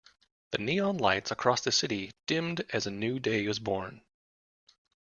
The neon lights across the city dimmed as a new day is born.